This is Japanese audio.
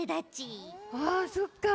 あそっか。